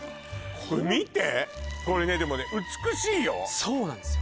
これ見てこれねでもねそうなんですよ